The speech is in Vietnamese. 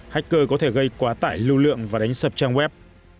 hacker có thể gây quá tải lưu lượng và đánh sập trang web